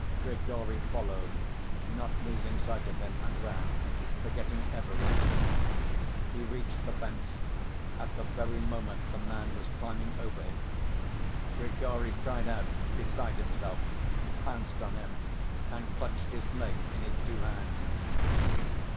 Grigory followed, not losing sight of him, and ran, forgetting everything. He reached the fence at the very moment the man was climbing over it. Grigory cried out, beside himself, pounced on him, and clutched his leg in his two hands.